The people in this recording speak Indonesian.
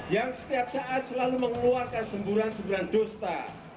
yang setiap saat selalu mengeluarkan semburan semburan dusta